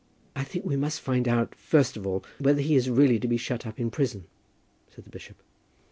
"I think we must find out, first of all, whether he is really to be shut up in prison," said the bishop.